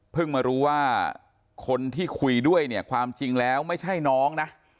มารู้ว่าคนที่คุยด้วยเนี่ยความจริงแล้วไม่ใช่น้องนะ